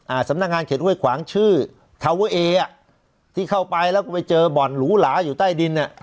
สำนักงานเขตห้วยขวางชื่อทาเวอร์เออ่ะที่เข้าไปแล้วก็ไปเจอบ่อนหรูหลาอยู่ใต้ดินอ่ะ